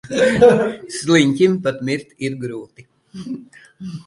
Sliņķim pat mirt ir grūti.